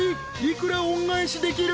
［幾ら恩返しできる？］